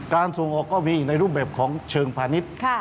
ส่งออกก็มีในรูปแบบของเชิงพาณิชย์